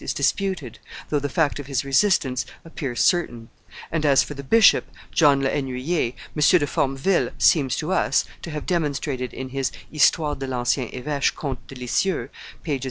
is disputed, though the fact of his resistance appears certain; and as for the bishop, John le Hennuyer, M. de Formeville seems to us to have demonstrated in his Histoire de l'ancien Eveche comte de Lisieux (t.